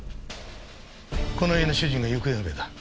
この家の主人が行方不明だ。